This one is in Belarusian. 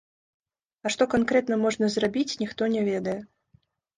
А што канкрэтна можна зрабіць, ніхто не ведае.